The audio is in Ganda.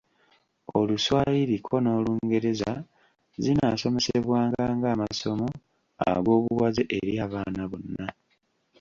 Oluswayiri ko n’Olungereza zinaasomesebwanga ng'amasomo ag’obuwaze eri abaana bonna.